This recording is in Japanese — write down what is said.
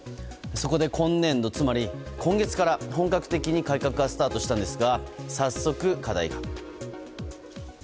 そこで今年度、つまり今月から本格的に改革がスタートしたんですが早速、課題が。